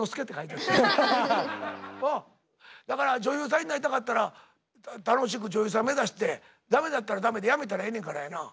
あっだから女優さんになりたかったら楽しく女優さん目指して駄目だったら駄目でやめたらええねんからやな。